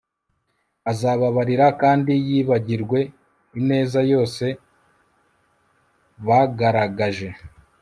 Azababarira kandi yibagirwe ineza yose bagaragaje